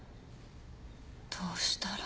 どうしたら。